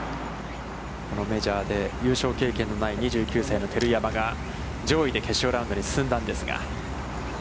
このメジャーで優勝経験のない２９歳の照山が、上位で決勝ラウンドに進んだんですが。